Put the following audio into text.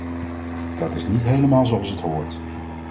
Dat is niet helemaal zoals het hoort.